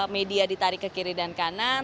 media ditarik ke kiri dan kanan